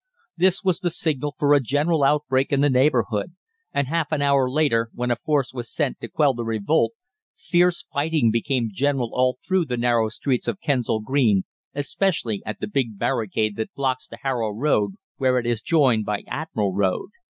This was the signal for a general outbreak in the neighbourhood, and half an hour later, when a force was sent to quell the revolt, fierce fighting became general all through the narrow streets of Kensal Green, especially at the big barricade that blocks the Harrow Road where it is joined by Admiral Road.